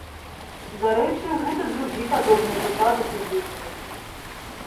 Дарэчы, гэта другі падобны выпадак у вобласці.